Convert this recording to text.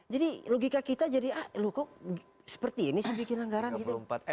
jadi logika kita jadi ah kok seperti ini saya bikin anggaran gitu